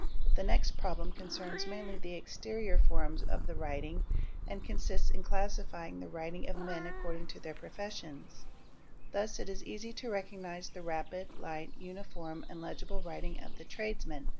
The next problem concerns mainly the exterior form of the writing and consists in classifying the writing of men according to their profes ions: thus it is easy to recognise the rapid, light, uniform, and legible riting of the tradesman.